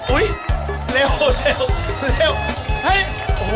โอ้ยเร็วเร็วเร็ว